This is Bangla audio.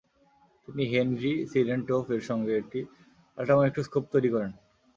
তিনি হেনরি সিডেনটোফ এর সঙ্গে একটি আল্ট্রামাইক্রোস্কোপ তৈরি করেন।